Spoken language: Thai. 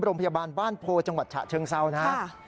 โรงพยาบาลบ้านโพจังหวัดฉะเชิงเซานะครับ